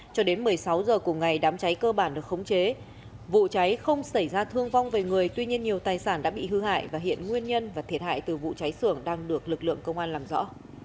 cho đến một mươi sáu h cùng ngày đám cháy cơ bản được khống chế vụ cháy không xảy ra thương vong về người tuy nhiên nhiều tài sản đã bị hư hại và hiện nguyên nhân và thiệt hại từ vụ cháy sưởng đang được lực lượng công an làm rõ